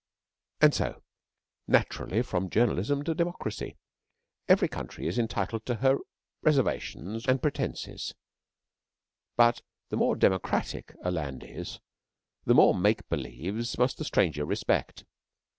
And so naturally from Journalism to Democracy. Every country is entitled to her reservations, and pretences, but the more 'democratic' a land is, the more make believes must the stranger respect.